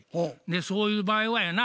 そういう場合はやな